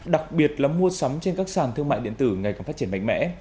đặc biệt là mua sắm trên các sàn thương mại điện tử ngày càng phát triển mạnh mẽ